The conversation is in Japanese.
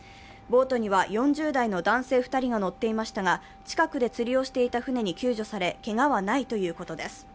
ボートには４０代の男性２人が乗っていましたが、近くで釣りをしていた船に救助され、けがはないということです。